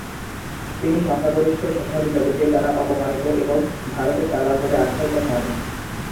তিনি সংখ্যাগরিষ্ঠ সিংহলী জাতিদের দ্বারা অপমানিত এবং ভারতের দালাল বলে আখ্যায়িত হন।